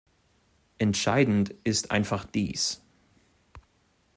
Entscheidend ist einfach dies.